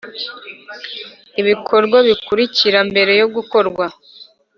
Ibikorwa bikurikira mbere yo gukorwa